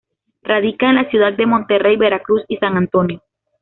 Radica en la ciudad de Monterrey, Veracruz y San Antonio.